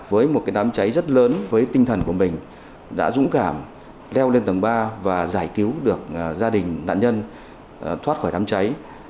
với một đám cháy rất lớn với tinh thần của mình đã dũng cảm leo lên tầng ba và giải cứu được gia đình nạn nhân thoát khỏi đám cháy